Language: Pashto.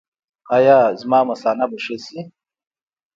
ایا زما مثانه به ښه شي؟